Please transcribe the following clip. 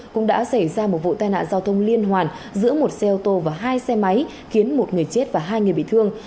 cũng đã xảy ra một vụ tai nạn giao thông liên hoàn giữa một xe ô tô và hai xe máy khiến một người chết và hai người bị thương